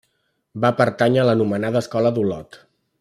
Va pertànyer a l'anomenada Escola d'Olot.